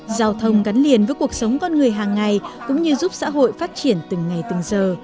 giao thông gắn liền với cuộc sống con người hàng ngày cũng như giúp xã hội phát triển từng ngày từng giờ